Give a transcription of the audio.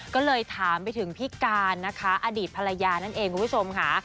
ก็เลยถามไปถึงพี่การนะคะอดีตภรรยานั่นเองคุณผู้ชมค่ะ